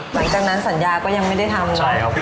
หลังจากนั้นสัญญาก็ยังไม่ได้ทำเลย